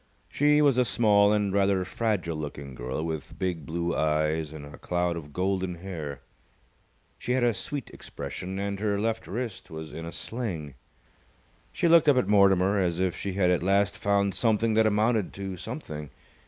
She was a small and rather fragile looking girl, with big blue eyes and a cloud of golden hair. She had a sweet expression, and her left wrist was in a sling. She looked up at Mortimer as if she had at last found something that amounted to something.